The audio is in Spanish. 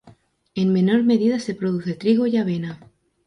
En menor medida se produce trigo y avena.